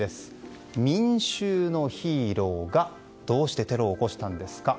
民衆のヒーローがどうしてテロを起こしたんですか。